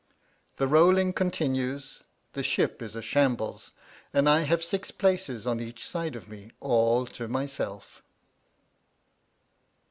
The rolling continues. The ship is a sham bles, and I have six places on each side of me all to myself.